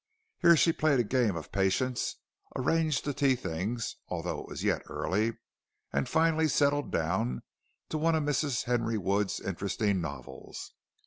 Here she played a game of patience, arranged the tea things although it was yet early, and finally settled down to one of Mrs. Henry Wood's interesting novels.